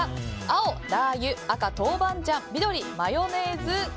青、ラー油赤、豆板醤緑、マヨネーズ。